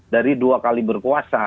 dari dua kali berkuasa